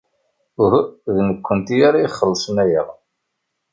Uhu, d nekkenti ara ixellṣen aya.